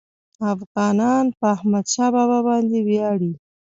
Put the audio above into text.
افغانان په احمدشاه بابا باندي ویاړي.